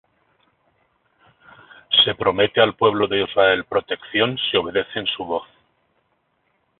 Se promete al pueblo de Israel protección si obedecen su voz.